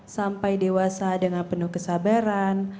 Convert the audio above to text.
sampai dewasa dengan penuh kesabaran